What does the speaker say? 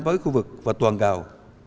với khu vực và toàn cầu